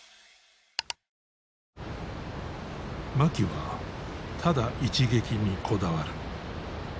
槇はただ一撃にこだわる。